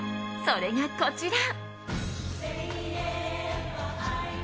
それが、こちら。